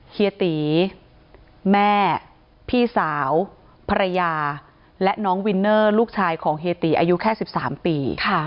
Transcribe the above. เฮียตีแม่พี่สาวภรรยาและน้องวินเนอร์ลูกชายของเฮียตีอายุแค่๑๓ปี